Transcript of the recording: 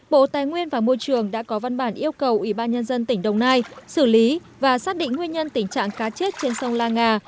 bộ tài nguyên và môi trường đã có văn bản yêu cầu ủy ban nhân dân tỉnh đồng nai xử lý và xác định nguyên nhân tình trạng cá chết trên sông la nga